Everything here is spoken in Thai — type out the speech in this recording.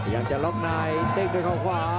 อยากจะล็อคนายเต็กด้วยเขาขวา